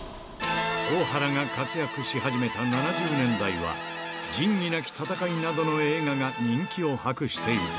大原が活躍し始めた７０年代は、仁義なき戦いなどの映画が人気を博していた。